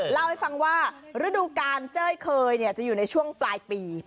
เล่าให้ฟังว่าฤดูกาลเจ้ยเคยจะอยู่ในช่วงปลายปี